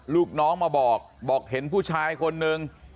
ลูกน้องมาบอกบอกเห็นผู้ชายคนนึง